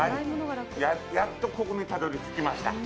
やっとここにたどり着きました。